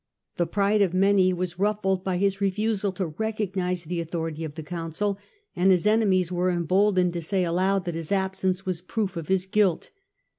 The pride of many was ruffled by his refusal to recognise the authority of the Council and his enemies were embold ened to say aloud that his absence was proof of his guilt.